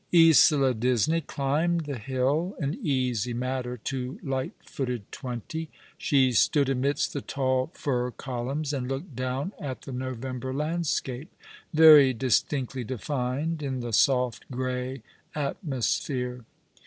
Isola Disney climbed the hill, an easy matter to light footed twenty. She stood amidst the tall fir columns, and looked down at the November landscape, very distinctly defined in the soft, grey atmosphere.